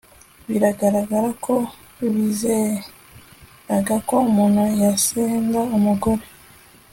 biragaragara ko bizeraga ko umuntu yasenda umugore